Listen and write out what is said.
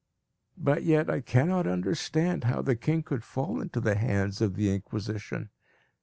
But yet I cannot understand how the king could fall into the hands of the Inquisition.